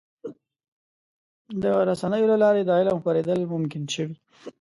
د رسنیو له لارې د علم خپرېدل ممکن شوي.